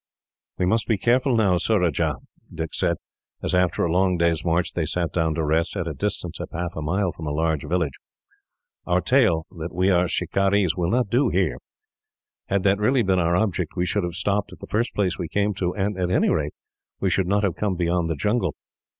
"We must be careful now, Surajah," Dick said, as, after a long day's march, they sat down to rest, at a distance of half a mile from a large village. "Our tale, that we are shikarees, will not do here. Had that really been our object, we should have stopped at the first place we came to, and, at any rate, we should not have come beyond the jungle.